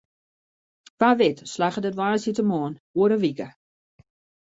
Wa wit slagget it woansdeitemoarn oer in wike.